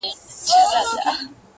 ها دی سلام يې وکړ.